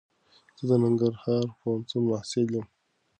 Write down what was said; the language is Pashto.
زه دننګرهار پوهنتون محصل یم.